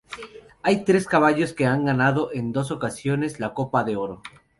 Hay tres caballos que han ganado en dos ocasiones la Copa de Oro.